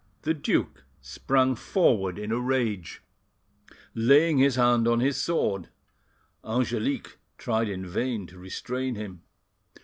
The duke sprang forward in a rage, laying his hand on his sword. Angelique tried in vain to restrain him.